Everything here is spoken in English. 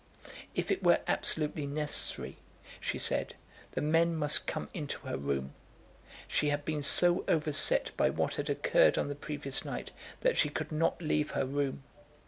If it were absolutely necessary, she said, the men must come into her room. She had been so overset by what had occurred on the previous night, that she could not leave her room.